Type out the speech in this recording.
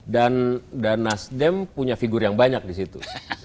dan nasdem punya figur yang banyak di situ